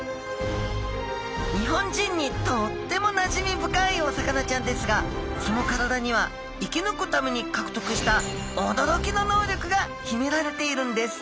日本人にとってもなじみ深いお魚ちゃんですがその体には生き抜くために獲得した驚きの能力がひめられているんです！